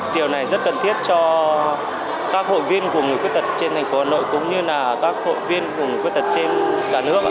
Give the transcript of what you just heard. điều này rất cần thiết cho các hội viên của người khuyết tật trên thành phố hà nội cũng như là các hội viên của người khuyết tật trên cả nước